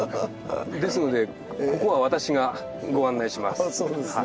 ですのでここは私がご案内します。